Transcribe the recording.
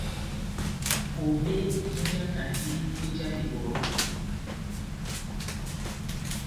Nʼkombé mújakandi wéh já bebɔdu.